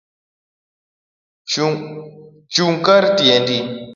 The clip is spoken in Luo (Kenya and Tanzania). Chungkar tiendi